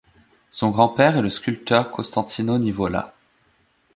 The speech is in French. Son grand-père est le sculpteur Costantino Nivola.